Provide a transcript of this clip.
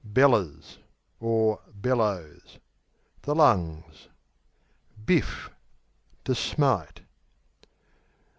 Bellers (Bellows) The lungs. Biff To smite.